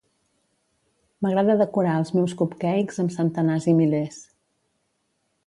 M'agrada decorar els meus cupcackes amb centenars i milers